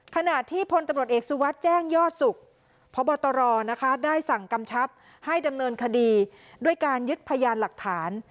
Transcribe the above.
ขณะที่พลตำรวจเอกสุวัสดิ์แจ้งยอดสุขพบตรได้สั่งกำชับให้ดำเนินคดีด้วยการยึดพยานหลักฐาน